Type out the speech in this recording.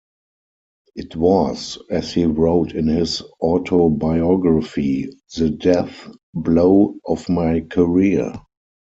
It was as he wrote in his autobiography "the death blow of my career".